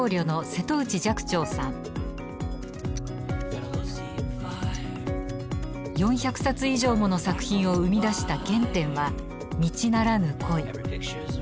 １人目は４００冊以上もの作品を生み出した原点は道ならぬ恋。